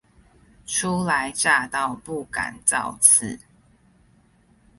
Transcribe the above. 初來乍到不敢造次